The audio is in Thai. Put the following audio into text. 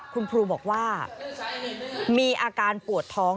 คุณครูบอกว่ามีอาการปวดท้อง